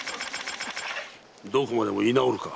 どこまでも居直るか。